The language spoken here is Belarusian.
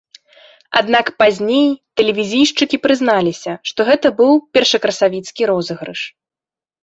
Аднак пазней тэлевізійшчыкі прызналіся, што гэта быў першакрасавіцкі розыгрыш.